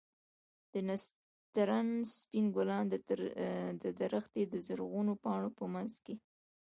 د نسترن سپين ګلان د درختې د زرغونو پاڼو په منځ کښې.